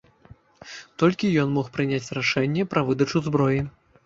Толькі ён мог прыняць рашэнне пра выдачу зброі.